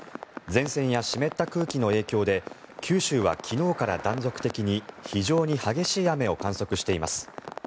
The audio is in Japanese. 前線や湿った空気の影響で九州は昨日から断続的に非常に激しい雨を観測しています。